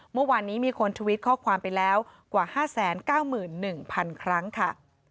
เมื่อวานนี้มีคนทวิตข้อความไปแล้วกว่า๕๙๑๐๐๐ครั้งค่ะ